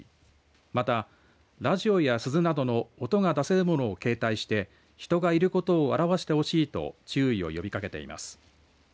また、ラジオや鈴などの音が出せるものを携帯して人がいることをあらわしてほしいと注意を呼びかけています。